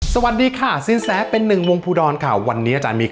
สวัสดีค่ะสินแสเป็นหนึ่งวงภูดรค่ะวันนี้อาจารย์มี